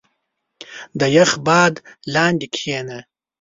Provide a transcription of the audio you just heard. • د یخ باد لاندې کښېنه.